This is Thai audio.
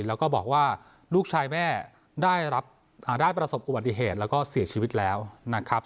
แล้วก็บอกว่าลูกชายแม่ได้ประสบอุบัติเหตุแล้วก็เสียชีวิตแล้วนะครับ